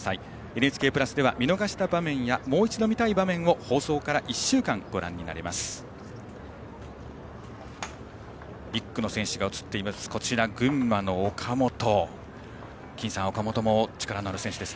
「ＮＨＫプラス」では見逃した場面やもう一度見たい場面を放送から１週間ご覧になれます。